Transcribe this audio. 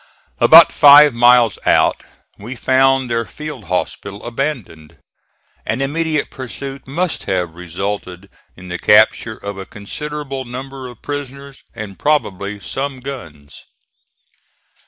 About five miles out we found their field hospital abandoned. An immediate pursuit must have resulted in the capture of a considerable number of prisoners and probably some guns.